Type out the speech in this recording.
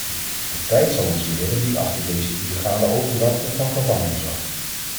De tijd zal ons leren wie achter deze illegale overdrachten van gevangenen zat.